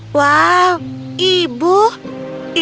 wow ibu itu sungguh menarik